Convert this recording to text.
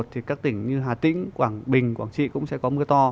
thì các tỉnh như hà tĩnh quảng bình quảng trị cũng sẽ có mưa to